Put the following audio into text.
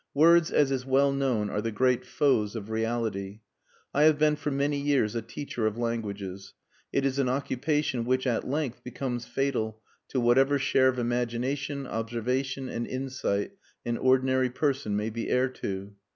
Words, as is well known, are the great foes of reality. I have been for many years a teacher of languages. It is an occupation which at length becomes fatal to whatever share of imagination, observation, and insight an ordinary person may be heir to.